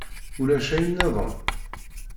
Ulac ayen-nniḍen?